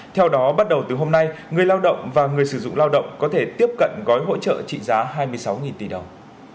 theo đó bắt đầu từ hôm nay người lao động và người sử dụng lao động có thể tiếp cận gói hỗ trợ trị giá hai mươi sáu tỷ đồng